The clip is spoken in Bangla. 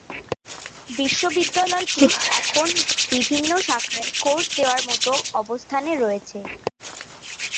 বিশ্ববিদ্যালয়টি এখন বিভিন্ন শাখায় কোর্স দেওয়ার মতো অবস্থানে রয়েছে।